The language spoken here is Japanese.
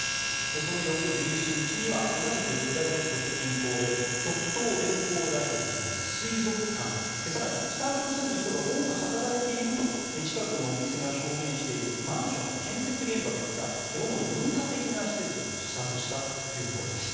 その翌１７日には同じくウラジオストク近郊で極東連邦大学や水族館更に北朝鮮の人が多く働いていると近くのお店が証言しているマンションの建設現場といった主に文化的な施設を視察したということです。